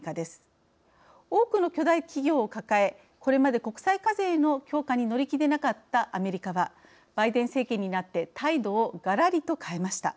多くの巨大企業を抱えこれまで国際課税の強化に乗り気でなかったアメリカはバイデン政権になって態度をがらりと変えました。